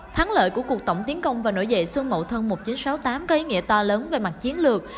thắng lợi của cuộc tổng tiến công và nổi dậy xuân mậu thân một nghìn chín trăm sáu mươi tám có ý nghĩa to lớn về mặt chiến lược